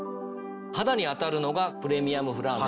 肌に当たるのがプレミアムフランネル。